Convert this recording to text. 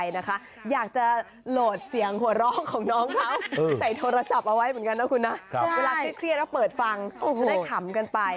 เวลาเครียดแล้วเปิดฟังจะได้ขำกันไป